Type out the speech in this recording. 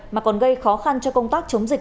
mà còn gây khó khăn cho công tác chống dịch